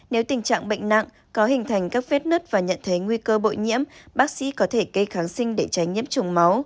nếu tình trạng bệnh nặng có hình thành các vết nứt và nhận thấy nguy cơ bội nhiễm bác sĩ có thể gây kháng sinh để tránh nhiễm trùng máu